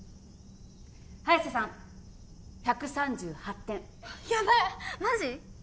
早瀬さん１３８点ヤバッマジ？